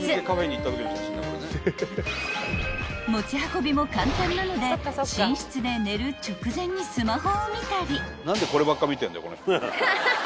［持ち運びも簡単なので寝室で寝る直前にスマホを見たり］